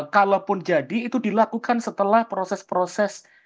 kalaupun jadi itu dilakukan setelah proses proses